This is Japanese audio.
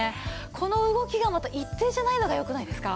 この動きがまた一定じゃないのがよくないですか？